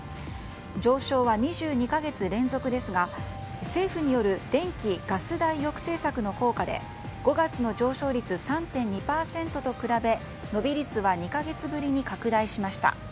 上昇は２２か月連続ですが政府による電気・ガス代抑制策の効果で５月の上昇率３．２％と比べ伸び率は２か月ぶりに拡大しました。